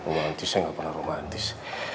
romantis saya enggak pernah romantis